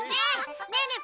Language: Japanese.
ねえねえ